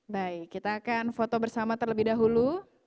baik kita akan foto bersama terlebih dahulu